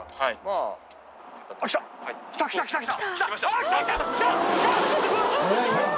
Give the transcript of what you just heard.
ああ来た来た！来た！来た！